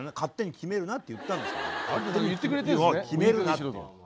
決めるなって。